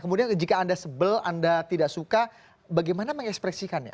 kemudian jika anda sebel anda tidak suka bagaimana mengekspresikannya